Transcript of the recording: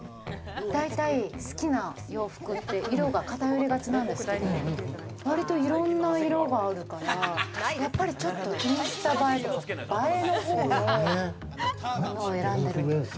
だいたい好きな洋服って、色が偏りがちなんですけど、割といろんな色があるから、やっぱりちょっとインスタ映えとか映えの方の物を選んでる。